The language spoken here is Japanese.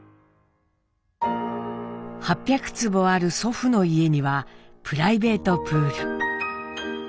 ８００坪ある祖父の家にはプライベートプール。